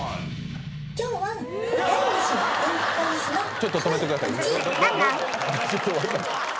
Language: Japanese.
ちょっと止めてください。